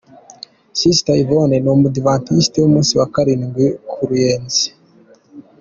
Sister Yvonne ni umudivantiste w'umunsi wa karindwi ku Ruyenzi.